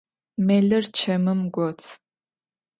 Melır çemım got.